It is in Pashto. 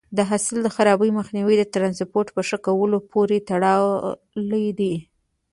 د حاصل د خرابي مخنیوی د ټرانسپورټ په ښه کولو پورې تړلی دی.